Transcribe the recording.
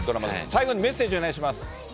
最後にメッセージお願いします。